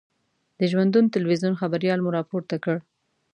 د ژوندون تلویزون خبریال مو را پورته کړ.